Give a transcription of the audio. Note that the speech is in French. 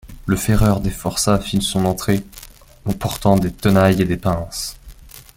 Le ferreur des forçats fit son entrée, portant des tenailles et des pinces.